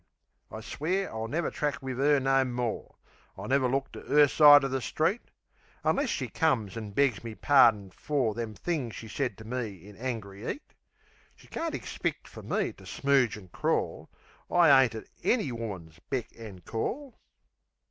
I swear I'll never track wiv 'er no more; I'll never look on 'er side o' the street Unless she comes an' begs me pardin for Them things she said to me in angry 'eat. She can't ixpeck fer me to smooge an' crawl. I ain't at ANY woman's beck an' call.